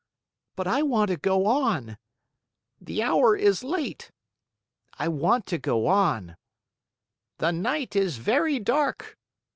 "But I want to go on!" "The hour is late!" "I want to go on." "The night is very dark."